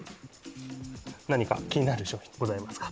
何か気になる商品ございますか？